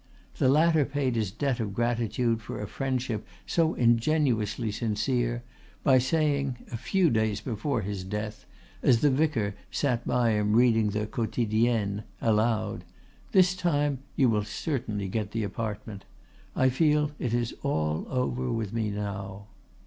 The latter paid his debt of gratitude for a friendship so ingenuously sincere by saying, a few days before his death, as the vicar sat by him reading the "Quotidienne" aloud: "This time you will certainly get the apartment. I feel it is all over with me now."